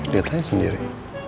lihat aja sendiri